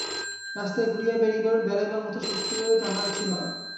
রাস্তায় ঘুরিয়া বেড়াইবার মতো শক্তিও তাহার ছিল না।